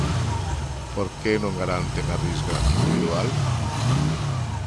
¿Por que non garanten a Risga individual?